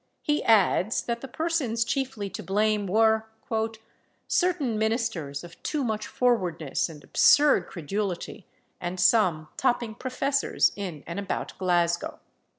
He adds, that the persons chiefly to blame were "certain ministers of too much forwardness and absurd credulity, and some topping professors in and about Glasgow."